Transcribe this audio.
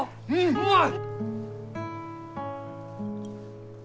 うまい！